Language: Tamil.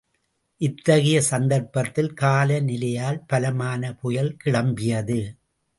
இத்தகைய சந்தர்ப்பத்தில் கால நிலையால் பலமான புயல் கிளம்பியது.